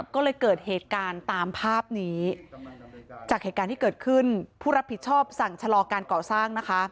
ก็เลยเกิดเหตุการณ์ตามภาพนี้จากเกิดขึ้นผู้รับผิดชอบสั่งชลอการเกาะสร้างนะคะ